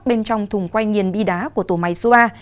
bên trong thùng quay nhiền bi đá của tổ máy zoa